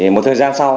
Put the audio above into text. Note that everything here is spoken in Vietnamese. một thời gian sau